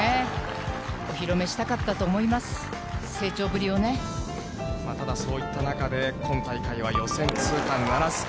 お披露目したかったと思います、ただ、そういった中で、今大会は予選通過ならず。